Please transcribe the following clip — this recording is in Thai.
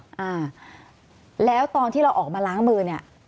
อ่าแล้วตอนที่เราออกมาล้างมือเนี่ย